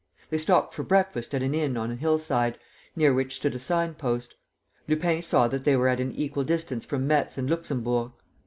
They stopped for breakfast at an inn on a hillside, near which stood a sign post. Lupin saw that they were at an equal distance from Metz and Luxemburg.